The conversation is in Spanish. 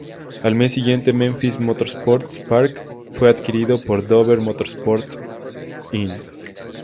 Al mes siguiente, Memphis Motorsports Park fue adquirido por Dover Motorsports, Inc.